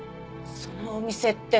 そのお店って？